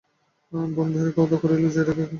বনবিহারী খাওয়াদাওয়া করিল, জয়াকে কয়েকটা টাকাও দিল।